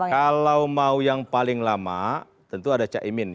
kalau mau yang paling lama tentu ada cak imin ya